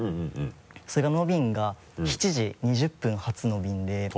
その便が７時２０分発の便で。